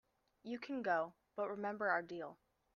You can go, but remember our deal.